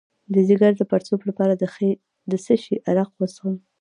د ځیګر د پړسوب لپاره د څه شي عرق وڅښم؟